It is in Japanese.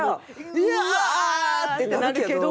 「うわ！」ってなるけど。